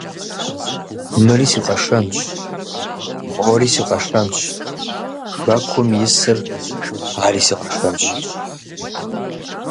Мыри си къэшэнщ! Мори си къэшэнщ! Хэкум исыр ари си къэшэнщ!